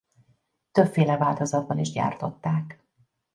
Többféle változatban is gyártották.